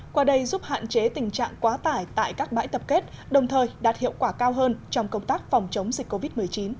qua đây giúp hạn chế tình trạng quá tải tại các bãi tập kết đồng thời đạt hiệu quả cao hơn trong công tác phòng chống dịch covid một mươi chín